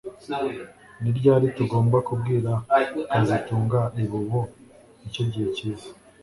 Ni ryari tugomba kubwira kazitunga ibi Ubu ni cyo gihe cyiza